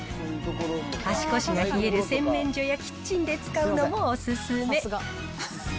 足腰が冷える洗面所やキッチンで使うのもお勧め。